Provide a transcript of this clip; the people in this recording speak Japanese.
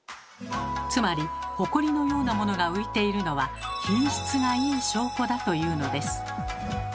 つまりホコリのようなものが浮いているのは品質がいい証拠だというのです。